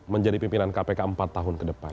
menjadi pimpinan kpk empat tahun ke depan